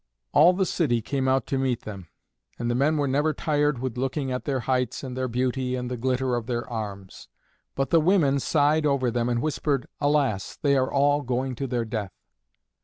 All the city came out to meet them, and the men were never tired with looking at their heights and their beauty and the glitter of their arms. But the women sighed over them and whispered, "Alas, they are all going to their death!"